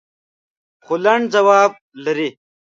خو لنډ ځواب لري.